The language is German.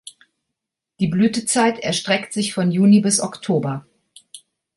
Die Blütezeit erstreckt sich von Juni bis Oktober.